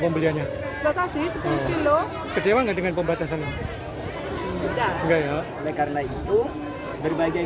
pembeliannya batasi sepuluh kilo kecewa dengan pembatasan enggak ya karena itu berbagai